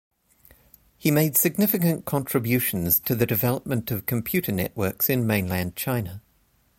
He made significant contributions to the development of computer networks in mainland China.